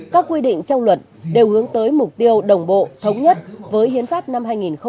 các quy định trong luật đều hướng tới mục tiêu đồng bộ thống nhất với hiến pháp năm hai nghìn một mươi ba